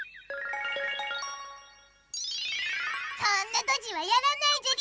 そんなドジはやらないじゃり！